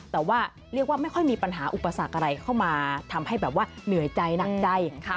แต่ว่าเรียกว่าไม่ค่อยมีปัญหาอุปสรรคอะไรเข้ามาทำให้แบบว่าเหนื่อยใจหนักใจ